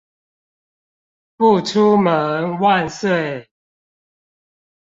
不出門萬歲